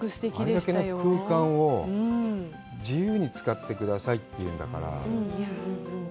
あれだけの空間を自由に使ってくださいっていうんだから。